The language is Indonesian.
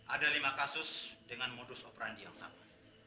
ada lima kasus dengan modus operandi yang sama